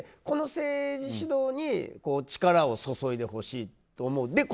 この政治主導に力を注いでほしいと思う。